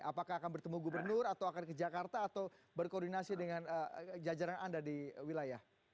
apakah akan bertemu gubernur atau akan ke jakarta atau berkoordinasi dengan jajaran anda di wilayah